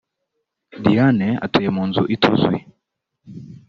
Diane utuye mu nzu ituzuye